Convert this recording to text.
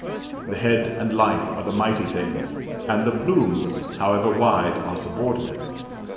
The head and life are the mighty things, and the plumes, however wide, are subordinate.